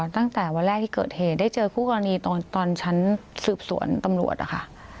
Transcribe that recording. ตั้งแต่วันแรกที่เกิดเหตุได้เจอคู่กรณีตอนชั้นสืบสวนตำรวจนะคะ